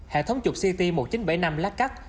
hệ thống chụp ct một nghìn chín trăm bảy mươi năm lacac